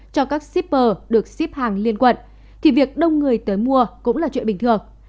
cho các shipper được ship hàng liên quận thì việc đông người tới mua cũng là chuyện bình thường